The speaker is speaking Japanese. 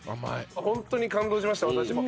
ホントに感動しました私も。